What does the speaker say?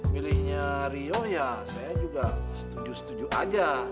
pilihnya rio ya saya juga setuju setuju saja